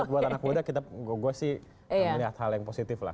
buat anak muda kita gue sih melihat hal yang positif lah